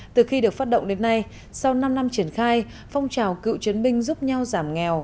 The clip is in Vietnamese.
từ khi được phát động đến nay sau năm năm triển khai phong trào cựu chiến binh giúp nhau giảm nghèo